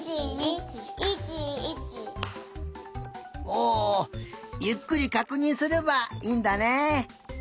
おゆっくりかくにんすればいいんだね。